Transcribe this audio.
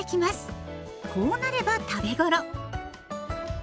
こうなれば食べ頃。